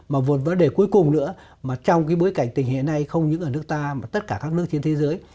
mà vốn vấn đề cuối cùng nữa mà trong cái bối cảnh tình hệ này không những ở nước ta mà tất cả các nước trên thế giới